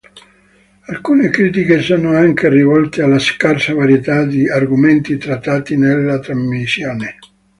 Alcune critiche sono anche rivolte alla scarsa varietà di argomenti trattati nella trasmissione.